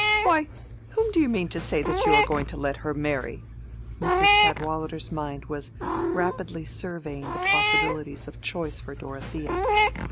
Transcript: "Why, whom do you mean to say that you are going to let her marry?" Mrs. Cadwallader's mind was rapidly surveying the possibilities of choice for Dorothea.